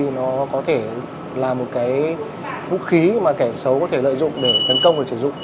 nó có thể là một cái vũ khí mà kẻ xấu có thể lợi dụng để tấn công và sử dụng